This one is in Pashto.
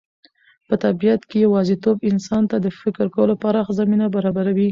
په طبیعت کې یوازېتوب انسان ته د فکر کولو پراخه زمینه برابروي.